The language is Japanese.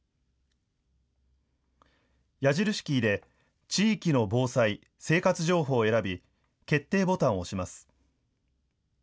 矢印キーで地域の防災・生活情報を選び決定ボタンを押します。